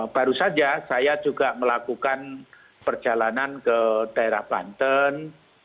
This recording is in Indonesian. baru saja saya juga melakukan perjalanan ke daerah banten